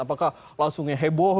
apakah langsungnya heboh